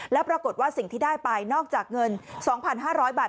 แล้วปรากฏว่าสิ่งที่ได้ไปนอกจากเงิน๒๕๐๐บาท